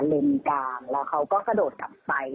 และเลยเขากัดโดดกลับไป